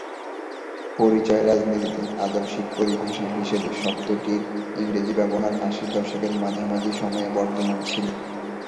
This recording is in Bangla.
পরিচয়ের রাজনীতিতে আদর্শিক পরিভাষা হিসাবে শব্দটির ইংরেজি ব্যবহার আশির দশকের মাঝামাঝি সময়ে বর্তমান ছিল।